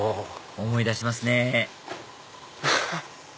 思い出しますねアハっ！